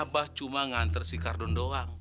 abah cuma nganter si kardun doang